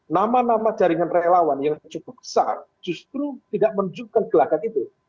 nama nama jaringan relawan yang cukup besar justru tidak menunjukkan gelagat itu